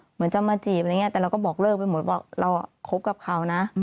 เหมือนจะมาจีบอะไรอย่างนี้แต่เราก็บอกเลิกไปหมดว่าเราคบกับเขานะ